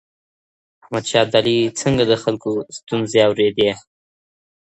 احمد شاه ابدالي څنګه د خلګو ستونزي اورېدې؟